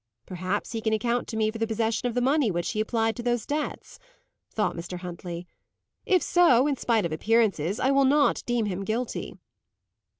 "Perhaps he can account to me for the possession of the money which he applied to those debts," thought Mr. Huntley. "If so, in spite of appearances, I will not deem him guilty."